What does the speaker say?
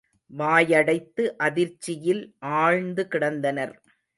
வாயடைத்து அதிர்ச்சியில் ஆழ்ந்து கிடந்தனர்.